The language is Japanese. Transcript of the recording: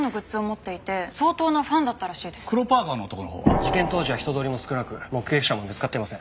事件当時は人通りも少なく目撃者も見つかっていません。